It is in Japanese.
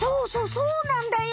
そうなんだよ！